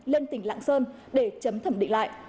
lên tỉnh lạng sơn để chấm thẩm định lại